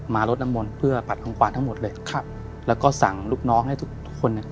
รดน้ำมนต์เพื่อผัดของขวานทั้งหมดเลยครับแล้วก็สั่งลูกน้องให้ทุกทุกคนเนี่ย